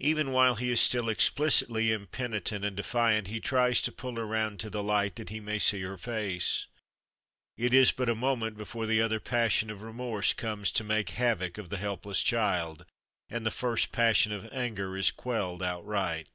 Even while he is still explicitly impenitent and defiant he tries to pull her round to the light that he may see her face. It is but a moment before the other passion of remorse comes to make havoc of the helpless child, and the first passion of anger is quelled outright.